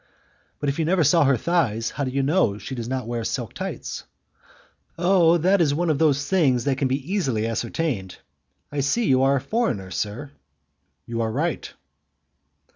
"But if you never saw her thighs, how do you know that she does not wear silk tights?" "Oh! that is one of those things which can easily be ascertained. I see you are a foreigner, sir." "You are right."